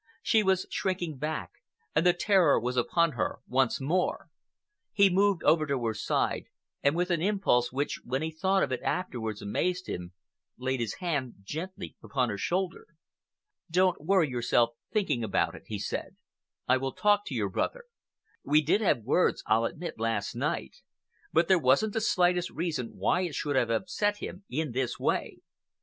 She was shrinking back, and the terror was upon her once more. He moved over to her side, and with an impulse which, when he thought of it afterwards, amazed him, laid his hand gently upon her shoulder. "Don't worry yourself thinking about it," he said. "I will talk to your brother. We did have words, I'll admit, last night, but there wasn't the slightest reason why it should have upset him in this way.